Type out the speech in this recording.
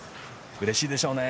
うれしいでしょうね。